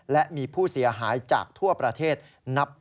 และมีผู้เสียหายจากทั่วประเทศนับ